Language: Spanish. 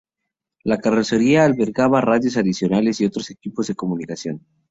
La carrocería albergaba radios adicionales y otros equipos de comunicación.